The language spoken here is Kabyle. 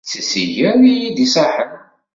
D tisiger iyi-d-iṣaḥḥen.